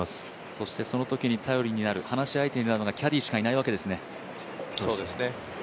そしてそのときに頼りになる、話相手になるのがキャディーしかいないわけですね。